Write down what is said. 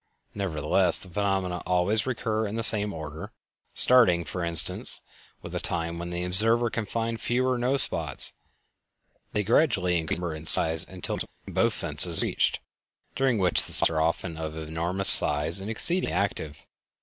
Nevertheless, the phenomena always recur in the same order. Starting, for instance, with a time when the observer can find few or no spots, they gradually increase in number and size until a maximum, in both senses, is reached, during which the spots are often of enormous size and exceedingly active.